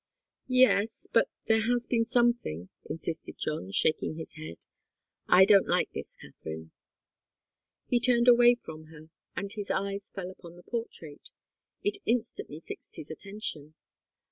"Yes but there has been something," insisted John, shaking his head. "I don't like this, Katharine." He turned away from her, and his eyes fell upon the portrait. It instantly fixed his attention.